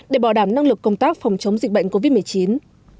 để bảo đảm năng lực công tác phòng chống dịch bệnh covid một mươi chín